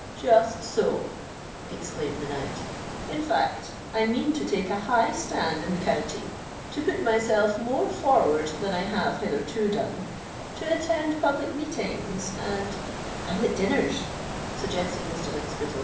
"Just so," exclaimed the knight. "In fact, I mean to take a high stand in the county—to put myself more forward than I have hitherto done—to attend public meetings and——" "Public dinners," suggested Mr. Lykspittal.